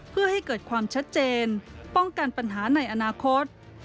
เพื่อให้เกิดความชัดเจนป้องกันปัญหาในอนาคต